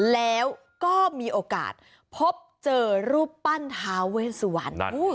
แล้วก็มีโอกาสพบเจอรูปปั้นท้าเวสวัน